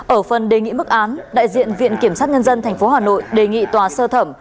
ở phần đề nghị mức án đại diện viện kiểm sát nhân dân tp hà nội đề nghị tòa sơ thẩm